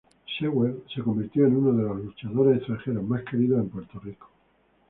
Sewell se convirtió en uno de los luchadores extranjeros más queridos en Puerto Rico.